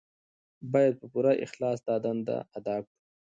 باید په پوره اخلاص دا دنده ادا کړو.